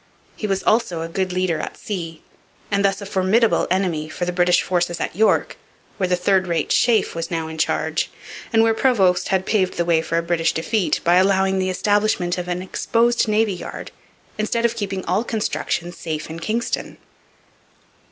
He was also a good leader at sea and thus a formidable enemy for the British forces at York, where the third rate Sheaffe was now in charge, and where Prevost had paved the way for a British defeat by allowing the establishment of an exposed navy yard instead of keeping all construction safe in Kingston.